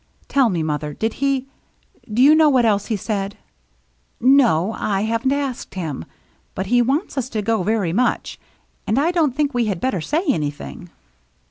Tell me, mother, did he — do you know what else he said ?"" No, I haven't asked him. But he wants us to go very much, and I don't think we had better say anything."